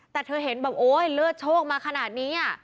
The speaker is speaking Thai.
แต่เธอเห็นแบบโอ๊ยเลือดโชคมาขนาดนี้